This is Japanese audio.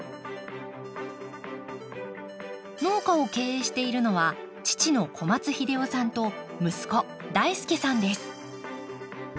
農家を経営しているのは父の小松英雄さんと息子大輔さんです。